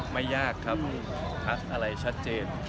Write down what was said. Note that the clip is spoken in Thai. ไม่ยากครับทักอะไรชัดเจน